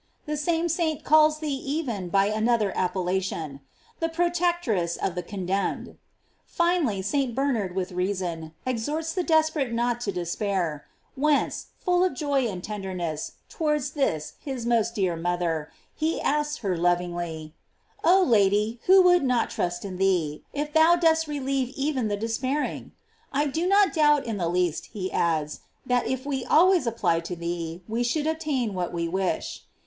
"§ The same saint calls thee even by another appellation : "The pro tectress of the condemned."! Finally, St. Ber nard, with reason, exhorts the desperate not to despair ; whence, full of joy and tenderness tow ards this his most dear mother, he asks her lovingly : Oh Lady, who would not trust in thee, if thou dost thus relieve even the despairing? I do not doubt in the least, he adds, that if we always applied to thee we should obtain what we wish.